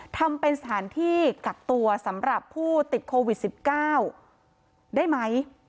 ทำเป็นสถานที่กักตัวสำหรับผู้ติดโควิด๑๙ได้ไหม